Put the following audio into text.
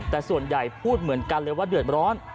แต่ส่วนใหญ่พูดเหมือนกันเลยว่าเดือดร้อน